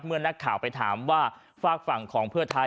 นักข่าวไปถามว่าฝากฝั่งของเพื่อไทย